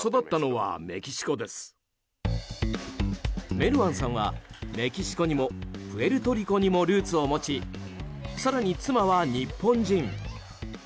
メルワンさんは、メキシコにもプエルトリコにもルーツを持ち更に妻は日本人。